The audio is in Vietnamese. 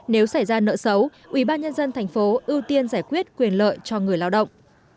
nếu xảy ra nợ xấu ubnd tp ưu tiên giải quyết quyền lợi cho người lao động